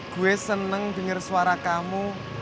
gue seneng denger suara kamu